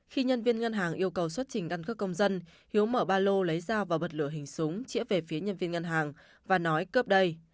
khi nhân viên ngân hàng yêu cầu xuất trình căn cước công dân hiếu mở ba lô lấy dao và bật lửa hình súng chỉa về phía nhân viên ngân hàng và nói cướp đây